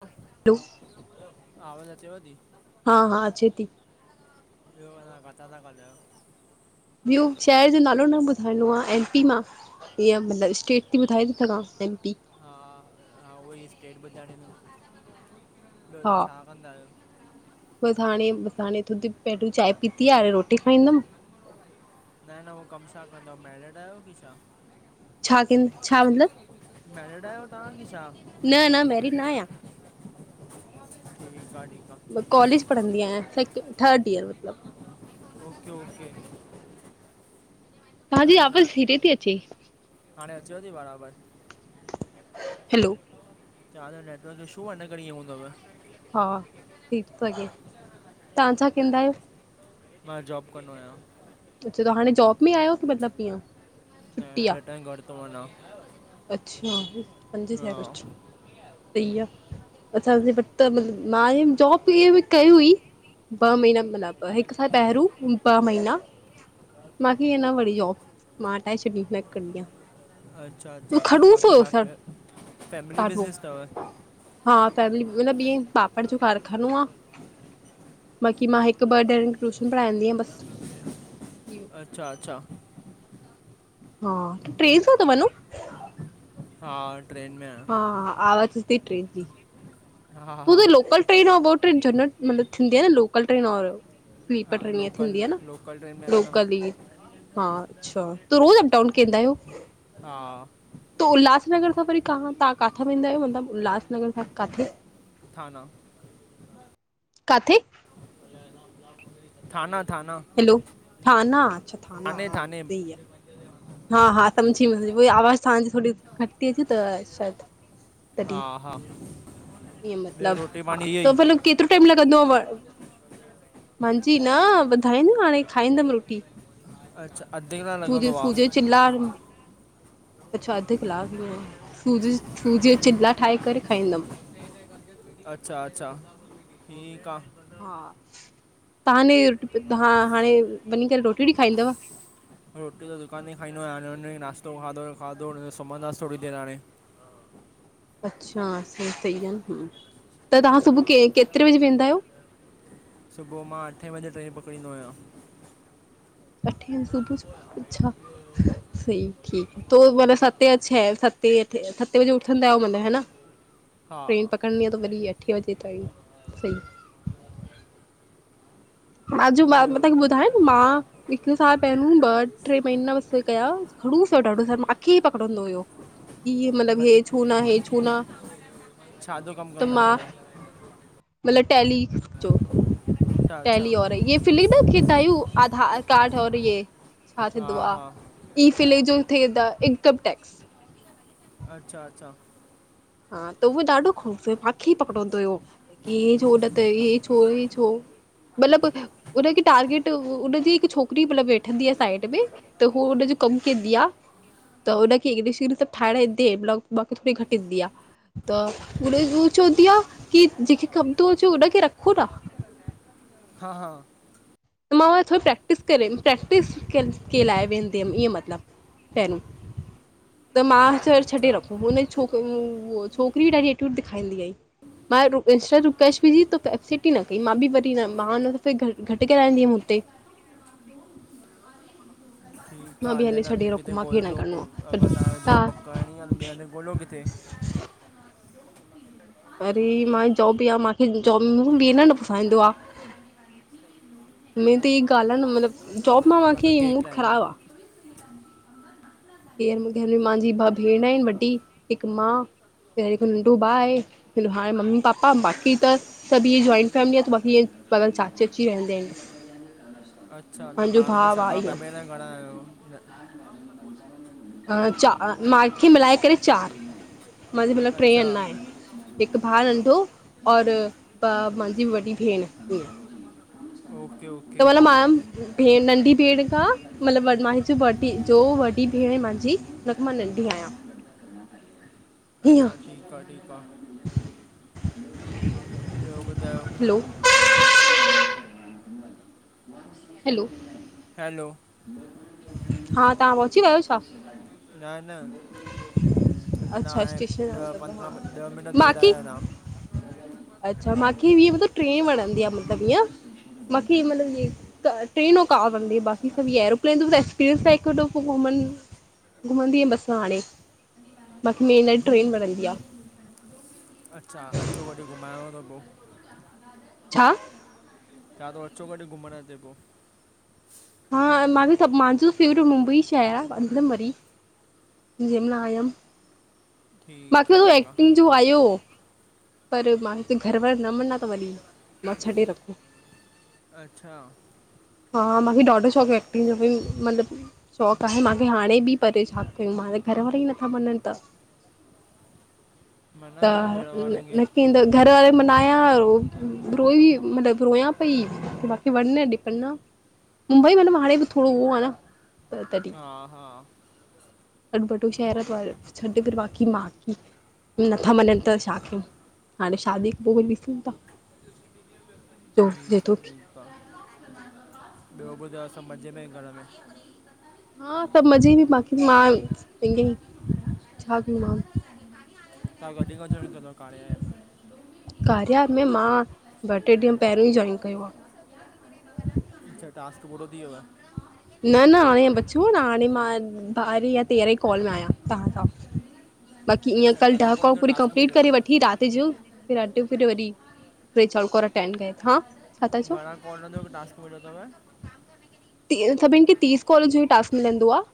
हा हैलो। आवाज़ अचेव थी? हा-हा अचे थी। तव्हां काथा ता ॻाल्हायो? ॿियो, शहर जो नालो न ॿुधाइणो आहे। एम पी मां। मतिलबु स्टेट त‌ ॿुधाए थी सघां। एमपी हा, उहो ई स्टेट ॿुधाइणी। ॿियो हा तव्हां छा कंदा आहियो? बसि हाणे थोड़ी देर पहिरियों चांहि पीती आहे हाणे रोटी खाईंदमि। न-न उहो कमु छा कंदा आहियो मेरिड आहियो की छा? छा-छा मतिलबु? मेरिड आहियो तव्हां कि छा? न-न मैेरीड न आहियां। ठीक आ। ठीक आ। कॉलेज पढ़ंदी आहियां। सेकं‌, थर्ड ईयर मतिलबु। ओके, ओके तव्हांजी तव्हांजो ना आवाज़ धीरे थी अचे। हाणे अचेव थी बराबरि। हैलो। नेटवर्क ईशू‌ आहे, हिन करे ईअं हूंदव। हा, ठीक तो अचे तव्हां छा कंदा आहियो? मां जॉब कंदो आहियां। त हाणे जॉब में आयो की मतिलबु कीअं? न हिन टाइम घरु तो वञां। अच्छा, पंज छः बजे। अच्छा, मतिलबु मां जॉब इहे बि कई हुई ॿ महिना मतिलबु हिकु खां पहिरियों। ॿ महीना मूंखे ईंअ न वणी जॉब मां हटाए छॾी न करड़ी आ। अच्छा-अच्छा खड़ूस बाकी हुयो छा सर फैमिली ॾाढो बिज़नेस अथव। हा, फैमिली मतिलबु इएं पापड़ जो कारखानो आहे। बाक़ी मां हिकु-ॿ जणिनि खे ट्यूशन पढ़ाईंदी आहियां, बस उहोई। अच्छा-अच्छा। हा, तव्हां ट्रेन सां ता वञों? हा, ट्रेन में आहियां। हा आवाज़ अचे थी ट्रेन जी। हा तूं त हा लोकल ट्रेन और ट्रेन मतिलबु थींदो आहे न लोकल ट्रेन हा स्लीपर ट्रेन हीअं लोकल थींदी लो, आहे न लोकल ट्रेन में आहियां न मां लोकल जी हा, अच्छा त रोज़ अप डाउन केदां आहियो? हा। त उल्हासनगर खां वरी कां तव्हां काथां वेंदा आहियो मतिलबु उल्हासनगर खां काथे? थाना। काथे? थाना-थाना। हैलो! थाना, अच्छा थाना हां, थाने सही है। हा हा, सम्झी वेंदी, उओई आवाज़ तहांजी थोरी घट ती अचे त शायद हा हा ईअं ॿियो मतलब, रोटी पाणी हा इहो ई त भला केतरो टाइम लॻंदो? मांजी न, ॿुधाईं न हाणे खाईंदम रोटी। अच्छा, अध कलाक सूजी लॻंदो आ। सूजी चिला अच्छा, अध क्लाक में, सूज़ी सूज़ीअ जा चिल्ला ठाहे करे खाईंदम। अच्छा अच्छा, ठीक आ। हा, तहांने हा हांणे वञी करे रोटी वोटी खाईंदव? रोटी त दुकान तेई खाईंदो आयां, हाणे जो नश्तो खाधो हुयो, खाधोजो सुम्हंदास थोड़ी देर हाणे। अच्छा, सही सही आ न हूं, त तहां हा सुभू के केतरे बजे वेंदा आयो? सुबूह मां, अठें बजे ट्रेन पकड़ींदो आंयां। अठें बजे सुभूअ अच्छा, सही ठीक तो, माना सतें अ छहें सतें अठें सतें बजे उठंदा आयो हा न? हा ट्रेन पकड़नीं आ त वरी, अठें बजे ताईं, सही। माजूमा ॿियो मां तांखे ॿुधायो न, मां हिक साल पहिरूं, ॿ, ट्रे महीना बस कुल कया, खड़ूस आ ॾाढो सर, माखे ई पकड़ंदो हुयो। इएं मतलब, मत- हे छू ना, हे छू ना, छा जो कमु त कंदा मां आहियो मतलब टैली जो अच्छा अच्छा टैली और ये फिली न किंदायूं आधार कार्ड और हे छा हा थींदो आ। हा इ फिलेज जो थेंदा, इनकम टैक्स। अच्छा अच्छा हा, त उहो ॾाढो खड़ूस हो, माखे ई पकड़ंदो हुयो। की हे छो न त, हे छो, हे छो मतलब उनखे टारगेट, उनजी हिक छोकरी मतलब वेठंदीआ साइड में त हू, उनजो कम केंदी आ। त उनखे इंगलिश विंगलिश सभ ठााइण ईंदी, ब्लाक व्लाक थोरी घट ईंदी आ। त हू, चवंदी आ, की जेंखे कम तो अचे, उनखे रखो ना। हा हा त मां वरी थोरो प्रैक्टिस करे प्रैक्टिस के लाइ वेंदी हम, ईंएं मतलब। टैन, त म अचण, छॾे अच्छा रखो, हुन छोक, ऊ ऊ छोकरी बि ॾाढी एटीट्यूट दिखांईंदी हई। मां इंस्टा जो कैश विधी, एफ सिटी न कई मां बि वरी न, मां न घर कराइंदी हम उते। ठीक मां आ बि हले न, छॾे ॿे रखो किथे मूंखे न ॻोलजो करिणो आहे अगर तहांखे ॿे हंध त जॉब करणी आ त, ॿे हंध ॻोल्यो किथे। वरी मां, जॉब बि आ माखे जॉब बि न पुसाईंदो आ। मेन त ई ॻाल्ह आ न, मतलब अच्छा जौब मां पोइ घर में माखे ई केक मूड ख़राब आ। [inaudible] घर में मांजी ॿ भेण एन वॾी, हिक मां, हिक नंढ़ो भा आहे। भा आहे, मम्मी पापा बाक़ी त सभ ई जॉइंट फैमिली आ त बाक़ी ईंएंं मतलब चाची वाची रहिंदा एन। अच्छा त, पाण में भाउ सॻा आहे भा भेंण घणा आयो? [inaudible] चार, माखे मिलाए करे चार। मांजो मत्लब ट्रे अच्छा अञा एन, हिक भा नंढ़ो और ॿ मांॼी वॾी भेण ह ओके ओके त म मां भे नंढी ॿेण खा मतलब माजीं जो वॾी बेण मुंहिंजी हुन खां मां नंढी आहियां हीअं [unintelligible] ब्यो बुधायो हैलो हैलो हलो हा तव्हां पहुची वियो छा [unintelligible] न अच्छा स्टेशन ॾ आहे त पंद्रह हा ॾह मिट देर आया नाम अ्छा मूंखे इअं मतब ट्रे वणंदी आहे मतलबु ईअं मूंखे ई मतलबु ईअ ट्रेन ओ कार वणदीं आ बाकी स अञा एरोप्लेन त एक्सपिरेन्स लाए [unintelligible] घुमंद आहि बसा हाणे बाक़ी मेन लाइ ट्रेन वणंदी आहे अच्छा अचो वॾहिं घुमायांव थो पोइ छा चवा थो अचो कॾु घुमण ते पोइ हा सभ मुंहिंजो फेवरेट मुंबई शहर आहे इन्दम बरी जंहिं महिल आयमि ठीकु आहे मूंखेो ठीकु एक्टिंग जो आयो पर मां हिते घरवार न मञा त वरी मां छॾे रखो अच्छा हा मूंखे ॾाढो शौंक़ु आहे एक्टिंग जो बिई मतिलबु शौंक़ु आहे मूंखे हाणे बि परे छा कयूं म घर वारा ई नथा मञनि त [inaudible] त मनायो घर वारनि खे नकींदो घर वारे मनाया रोई मतिलब रोयया ई बाक़ी वढ़न डीपढ़न मुंबई म हाणे बि थोरो आहे न त तॾी हा हा अटबटो शहर छॾ [unintelligible] नथा मञनि त छा कयूं हाणे शादी पोइ कुझु ॾिसूं था [unintelligible] जो ठीकु आहे जेतिरो ठीक [unintelligible] ॿियो ॿुधायो अ सभां मज़े में ई घर में हा सभु मज़े बि बाकी मां पंहिंज ई छा कयूं मां तव्हां कॾी खो जोइन्ट कयो तव कार्य एप्प? कारिया एप्प में मां ॿ टे ॾींहं पहिरियों ई जॉइन कयो आहे अचछा टासक पूरो थियुव न न हाणे बचियो आ न हाणे मां ॿारहें या तेरह ई कॉल में आहियां तव्हां सां बाक़ी ईअं अच्छा कल्ह घणनि ॾहका कॉलनि जो पूरी टास्क कंप्लीट मिलियो करे वठी अथव राति जो फिर अॼु फ वरी [unintelligible] हा छा था चओ घणा कोल जो टास्क मिलियो तव? टीहणसभिनि खे तीस कॉले जो टास्क मिलंदो आहे।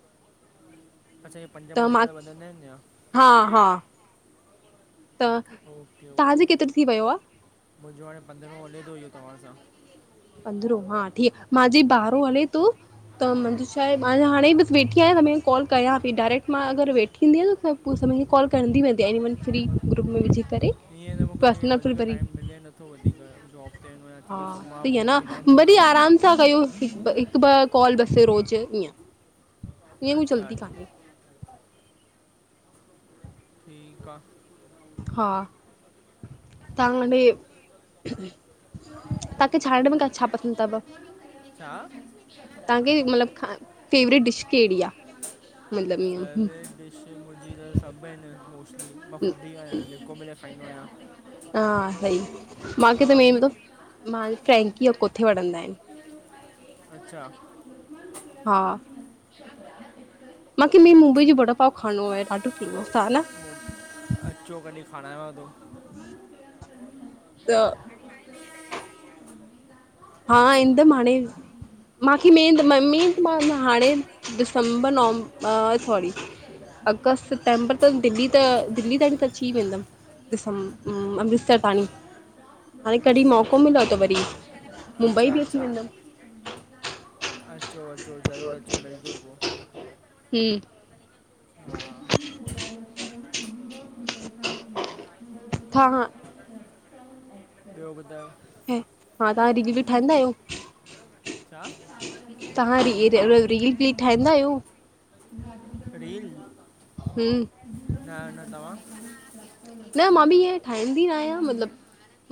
अच्छा इहे पंज त पंज मां करे वधंदा आहिनि या हा हा त ओके तव्हांजे ओके केतिरो थी वियो आ? मुंहिंजो हाणे पंद्रहो हले थो इहो तव्हां सां। पंदरो हा ठ मांे बारो हले तूं त मुंहिंजी छाहे मां हाणे बसि वेठी आहियां त कॉल कयां पई डायरेक्ट मां अगरि वेठी ईंद आहियां न प पोइ सभीनि खे कॉल कंदी वेंदी एनिमल फ्री ग्रुप में वझी ईअं त मूंखेअ वधीक टाइम मिले नथो वधीक जॉब चेन व हा थीीॾिसो मांा सही आ पोइ ईअ टाइम न थी थो वरी वञे आराम सां कयो हिकु ॿ कॉल बसे रोज़ इं इं को अच्छा जल्दी अच्छा काने। ठीकु आ। हा तंहां हेॾे ताखे छाणण में क छा पसंद थव? छा? तव्हांखे मतलबु फेवरेट डिश केड़ी आ मतिलबु ईअं? फेवरेट डिश मुंहिंजी त सबु आहिनि मोस्टली, मां फूडी आंयां आहियां, जेको मिले खाईंदो आंयां। हा सही, मांखे त मेन म फ्रेंंकी और कोथे वणंदा आहिन। अच्छा हा मांखे मेन मुंबई जो वड़ापाव खाएणो आहे ॾाढो फेमस आ न! अच्चो कॾहिं खारायांव थो। त [inaudible] हा इंदम हांणे। मांखे में मम्मी मां हाणे दिसंबर नवंब सॉरी। अगस्त सितंबर त दिल्ली त दिल्ली तांई त अची ई वेंदम। दिसं अमृतसर ताणी। हाणे कॾहिं केसिताईं मौक़ो मिलियो त वरी मुंबई अच्छा बि अची अच्छा, वेंदमि अचो अचो, ज़रूरु अचो, मिलजो पो। हम्म तव्हां [unintelligible] ॿियो ॿधायो? हा तहां रील ठाहिंदा आहियो? तव्हां ह रील वील ठाहींदा [unintelligible] आहियो रील! हम्म, न- न, तंवां? न मां बि इंअ ठाहींदी न आहियां मतिलब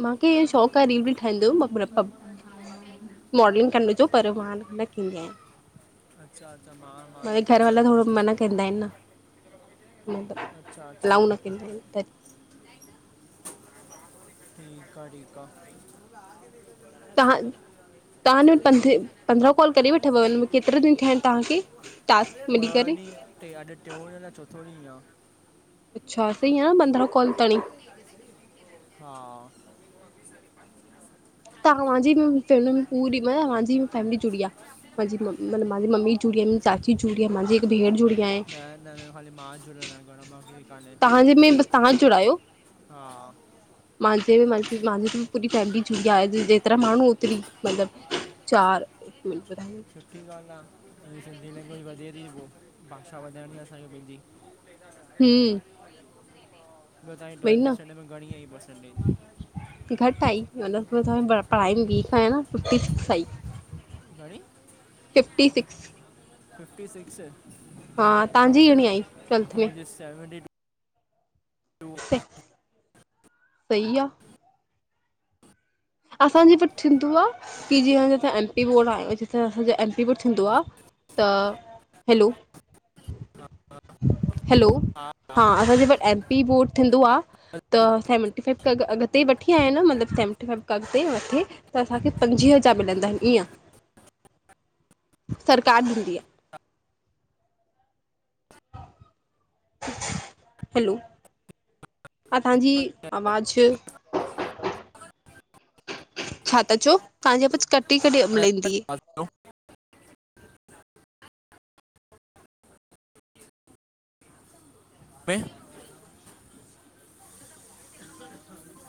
मांखे इ शौंक़ु आ रील वील ठाएणं जो। [unintelligible] मॉडलिंग कनविजो, पर मां न थींदी आहियां। अच्छा अच्छा! मां- मां न मुंहिंजे घर ठाहिंदो वारा आहियां थोरो मना कुछु। कंदा आहिन न मतलब अच्छा अच्छा अलाउ न ठीकु कंदा आहिन त ठीकु आ- ठीकु आ। त्हां तहां न पंद्रहां कॉल करे वठव अन? केतिरा ॾींहं थिया आहिन तहांखे टास्क मिली करे? ट्रे, अॼु टियों ॾींहुं अलाए चोंथो ॾींहुं आ। अचछा, सही आ न पंदरां कोल ताणी। हा तव्हांजि ब पूरी मतलब असांजी ॿ फैमिली जुड़ी आ। मु मंहांजी मम्मी जुड़ी आ, चाची जुड़ी आ, माज़ी हिक भेंण जुड़ी आहे। न न, न खाली मां जुड़ियल आं, न घणो माखे तहांजे में बसि तहां जुड़ा आह्यो? हा मंहांजे मंहांजू जी पूरी फेमिली जुङी आ, अॼु जेतिरा माण्हू ओतिरी मतलबु। चार हिकु मिंट बुधाए सुठी ॻाल्हि आ, सिंधी में कुझ ई वधे थी पियो, भाषा वधाइण लाएअसांखे पंहिंजी। हम्म त वई टवेल्थ न स्टैडर्ड में घणी आईें पर्संटेज? घटि आई, हुन पढ़ाई में वीक आहियां न, फिफ्टी सिक्स आई। घणी! Fifty six. Fifty six. हा तव्हांजी घणी आई ट्वैेल्थ में? Seventy two. टू सही आ। असांजे वट थींदो आ, की जीअं एम पी बोर्ड आ जिते असांजो एम पी बोर्ड थींदो आ। त, हैलो हैलो, हा असांजे वट M P M P board थींदो आ, त सेवनटी फाइफ खां अॻिते वठी आहियां न मतलब सेवनटी फाइफ अॻिते वधे, त असांखे पंझवीह हजार मिलंदा ईअं। सरकार ॾिन्दी आ। हैलो हा तव्हांजी आवाज़ छा ता चओ तव्हांजी आवाज़ कटी कटी मिलेती [inaudible] [unintelligible]